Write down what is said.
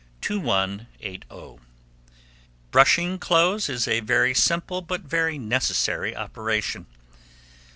2180. Brushing clothes is a very simple but very necessary operation.